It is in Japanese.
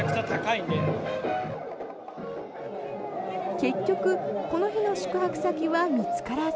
結局、この日の宿泊先は見つからず。